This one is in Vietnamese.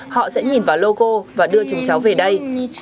họ sẽ nhìn vào logo và đưa chúng cháu về đây